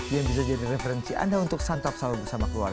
yang bisa jadi referensi anda untuk santap sahur bersama keluarga